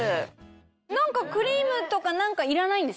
何かクリームとか何かいらないんですね。